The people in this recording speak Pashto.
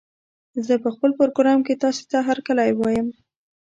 زه په خپل پروګرام کې تاسې ته هرکلی وايم